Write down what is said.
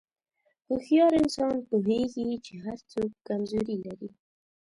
هوښیار انسان پوهېږي چې هر څوک کمزوري لري.